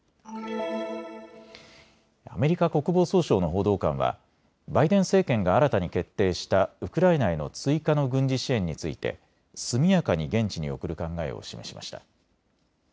アメリカ国防総省の報道官はバイデン政権が新たに決定したウクライナへの追加の軍事支援について速やかに現地に送る考えを示しました。